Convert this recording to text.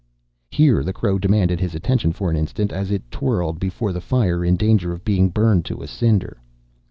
(Here the crow demanded his attention for an instant as it twirled before the fire in danger of being burned to a cinder.)